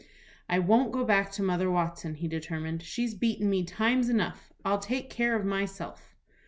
"I won't go back to Mother Watson," he determined. "She's beaten me times enough. I'll take care of myself."